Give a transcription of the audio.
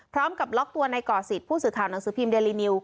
พร้อมกับล็อกตัวในก่อสิทธิ์ผู้สื่อข่าวหนังสือพิมพ์เดลินิว